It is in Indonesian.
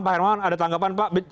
pak hermawan ada tanggapan pak